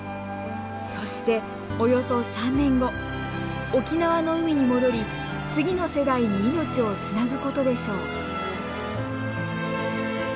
そしておよそ３年後沖縄の海に戻り次の世代に命をつなぐことでしょう。